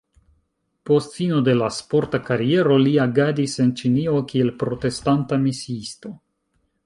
Post fino de la sporta kariero, li agadis en Ĉinio kiel protestanta misiisto.